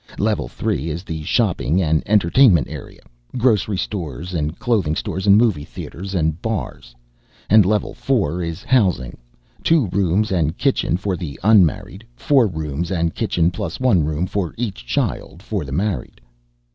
Level three is the shopping and entertainment area grocery stores and clothing stores and movie theaters and bars and level four is housing, two rooms and kitchen for the unmarried, four rooms and kitchen plus one room for each child for the married.